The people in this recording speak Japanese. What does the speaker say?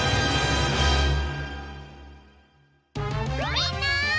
みんな！